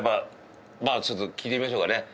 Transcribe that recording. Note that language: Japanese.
まあちょっと聞いてみましょうかね。